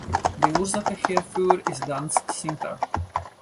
Die Ursache hierfür ist ganz simpel.